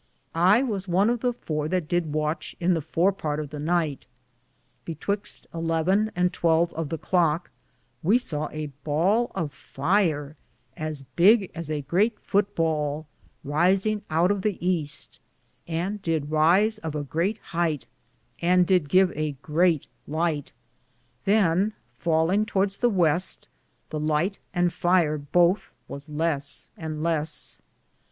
I was one of the 4 that did watche in the fore parte of the nyghte. Betwixte 11 and 12 of the clocke we saw a bale of fierr, as bigge as a greate foot bale,^ risinge out of the easte, and did rise of a greate heighte, and did give a greate lighte ; than, faulinge towardes the weste, the lighte and fier bothe was less and less.